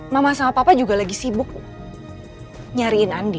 mama sama papa juga lagi sibuk nyariin andi